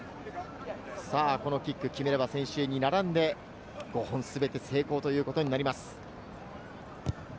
このキックを決めれば、先週に並んで５本全て成功ということになります。